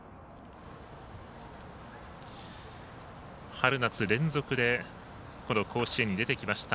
春夏連続で甲子園に出てきました